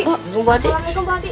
assalamualaikum mpu hati